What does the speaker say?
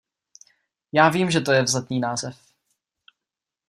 Já vím že to je vzletný název.